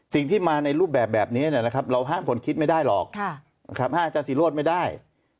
สิ่งที่มาในรูปแบบนี้เราห้ามคนคิดไม่ได้หรอกห้ามอาจารย์ศิโรธไม่ได้